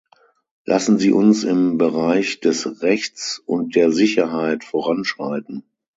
Lassen Sie uns im Bereich des Rechts und der Sicherheit voranschreiten.